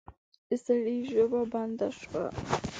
د سړي ژبه بنده شوه.